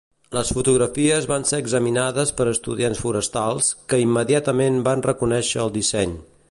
Les fotografies van ser examinades per estudiants forestals, que immediatament van reconèixer el disseny.